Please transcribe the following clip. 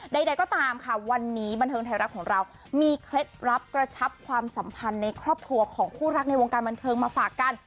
ใดก็ตามค่ะวันนี้บันเทิงไทยรัฐของเรามีเคล็ดลับกระชับความสัมพันธ์ในครอบครัวของคู่รักในวงการบันเทิงมาฝากกัน